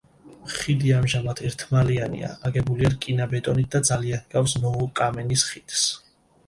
ხიდი ამჟამად ერთმალიანია, აგებულია რკინა-ბეტონით და ძალიან ჰგავს ნოვო-კამენის ხიდს.